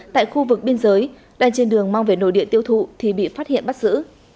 tại khu vực biên giới đang trên đường mang về nội địa tiêu thụ thì bị phát hiện bắt giữ